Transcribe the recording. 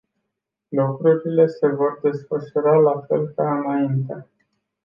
Lucrurile se vor desfășura la fel ca înainte.